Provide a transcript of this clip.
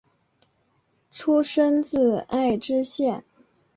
出身自爱知县。